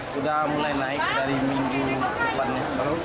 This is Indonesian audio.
sudah mulai naik dari minggu depannya